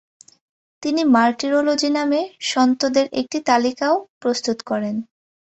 তিনি মার্টিরোলজি নামে সন্তদের একটি তালিকাও প্রস্তুত করেন।